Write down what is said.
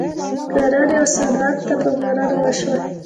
کرنې او صنعت ته پاملرنه وشوه.